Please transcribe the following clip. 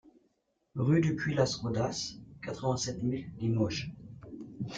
Rue du Puy Las Rodas, quatre-vingt-sept mille Limoges